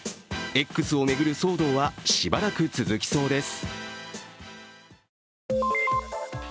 Ｘを巡る騒動はしばらく続きそうです。